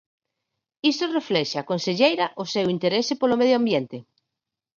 Iso reflexa, conselleira, o seu interese polo medio ambiente.